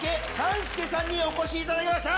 お越しいただきました！